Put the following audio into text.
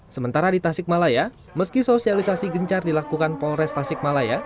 sementara di tasik malaya meski sosialisasi gencar dilakukan polres tasik malaya